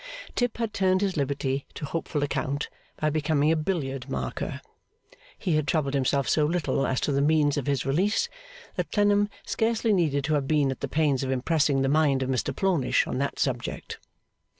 Tip had turned his liberty to hopeful account by becoming a billiard marker. He had troubled himself so little as to the means of his release, that Clennam scarcely needed to have been at the pains of impressing the mind of Mr Plornish on that subject.